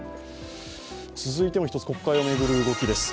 続いても１つ、国会を巡る動きです。